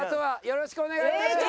よろしくお願いします。